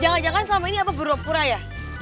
jangan jangan selama ini abah beropura ya